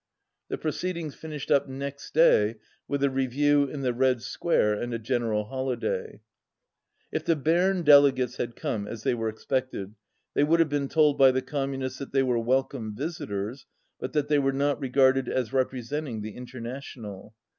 The proceedings finished up next day with a re view in the Red Square and a general holiday. If the Berne delegates had come, as they were expected, they would have been told by the Com munists that they were welcome visitors, but that they were not regarded as representing the Inter national.